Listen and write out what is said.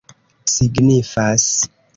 signifas